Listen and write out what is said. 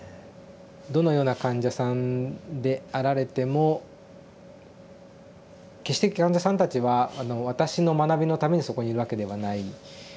どのような患者さんであられても決して患者さんたちは私の学びのためにそこにいるわけではない。